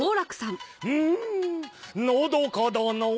「うんのどかだな」。